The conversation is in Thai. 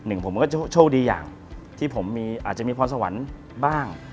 หนึ่งผมก็โชคดีอย่างที่ผมอาจจะมีพรสวรรค์บ้าง